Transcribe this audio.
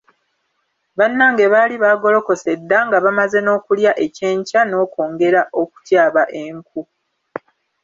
Bannange baali baagolokose dda nga bamaze n'okulya ekyenkya n'okwongera okutyaba enku.